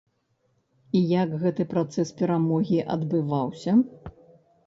І як гэты працэс перамогі адбываўся?